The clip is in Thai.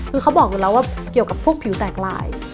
คือเขาบอกอยู่แล้วว่าเกี่ยวกับพวกผิวแตกลาย